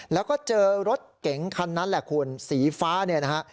แล้วก็เจอรถเก๋งคันนั้นแหละคุณสีฟ้าเนี่ยนะฮะ